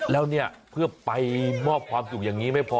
แล้วเนี่ยเพื่อไปมอบความสุขอย่างนี้ไม่พอ